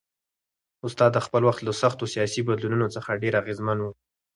استاد د خپل وخت له سختو سیاسي بدلونونو څخه ډېر اغېزمن و.